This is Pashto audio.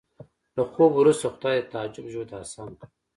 له خوب وروسته خدای د تعجب ژوند اسان کړ